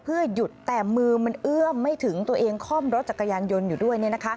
เพื่อหยุดแต่มือมันเอื้อมไม่ถึงตัวเองคล่อมรถจักรยานยนต์อยู่ด้วย